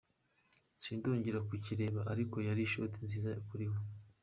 Sindongera kukireba ariko yari ishoti nziza kuri we.